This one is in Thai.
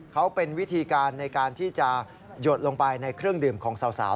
เขาเป็นวิธีการในการที่จะหยดลงไปในเครื่องดื่มของสาว